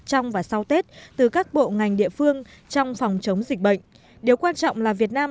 trong và sau tết từ các bộ ngành địa phương trong phòng chống dịch bệnh điều quan trọng là việt nam